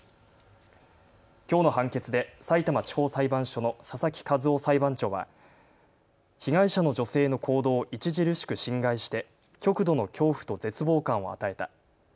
きょうの判決でさいたま地方裁判所の佐々木一夫裁判長は、被害者の女性の行動を著しく侵害して極度の恐怖と絶望感を与えた。